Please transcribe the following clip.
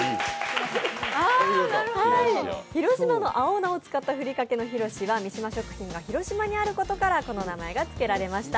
広島の青菜を使ったひろしは三島食品が広島にあることからこの名前がつけられました。